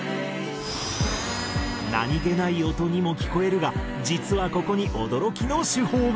何げない音にも聞こえるが実はここに驚きの手法が！